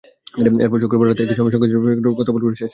এরপর শুক্রবার রাতে একই সময়ে সংগীত শুরু হয়ে গতকাল ভোরে শেষ হয়।